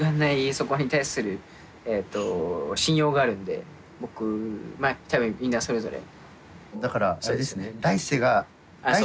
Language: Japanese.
そこに対する信用があるんで僕多分みんなそれぞれ。